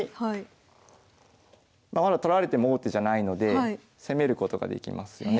まあまだ取られても王手じゃないので攻めることができますよね。